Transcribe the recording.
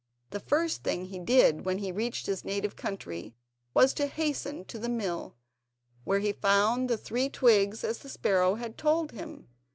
The first thing he did when he reached his native country was to hasten to the mill, where he found the three twigs as the sparrow had told him.